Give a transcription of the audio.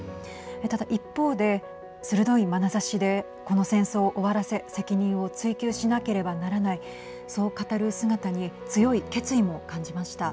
ただ、一方で鋭いまなざしでこの戦争を終わらせ責任を追及しなければならないそう語る姿に強い決意も感じました。